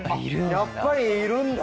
やっぱりいるんだ。